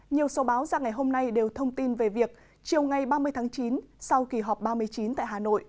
nhiều số báo ra ngày hôm nay đều thông tin về việc chiều ngày ba mươi tháng chín sau kỳ họp ba mươi chín tại hà nội